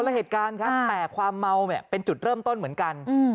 ละเหตุการณ์ครับแต่ความเมาเนี่ยเป็นจุดเริ่มต้นเหมือนกัน